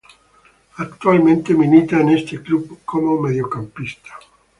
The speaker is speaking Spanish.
Actualmente milita en este club como mediocampista.